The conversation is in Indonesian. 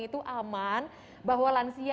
itu aman bahwa lansia